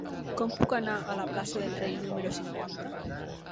Com puc anar a la plaça del Rei número cinquanta?